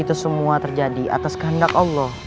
itu semua terjadi atas kehendak allah